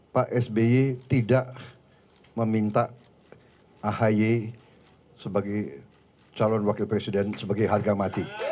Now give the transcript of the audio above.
pak sby tidak meminta ahi sebagai calon wakil presiden sebagai harga mati